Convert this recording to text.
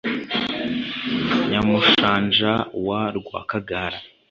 Nyamushanja wa Rwakagara